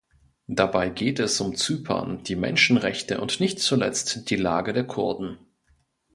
Dabei geht es um Zypern, die Menschenrechte und nicht zuletzt die Lage der Kurden.